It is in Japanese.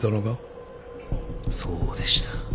そうでした。